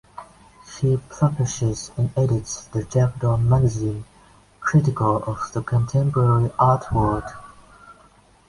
He publishes and edits The Jackdaw magazine, critical of the contemporary art world.